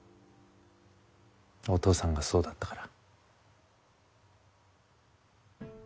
お父さんがそうだったから。